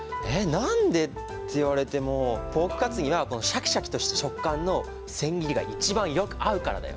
「何で」って言われてもポークカツにはシャキシャキとした食感の千切りが一番よく合うからだよ。